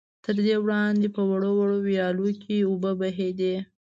تر دې وړاندې په وړو وړو ويالو کې اوبه بهېدې.